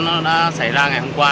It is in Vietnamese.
nó đã xảy ra ngày hôm qua